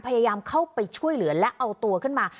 พยายามเข้าไปช่วยเหลือและเอาตัวขึ้นมา